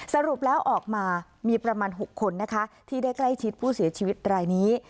สรุปแล้วออกมามีประมาณ๖คนนะคะที่ได้ใกล้ชิดผู้เสียชีวิตรายนี้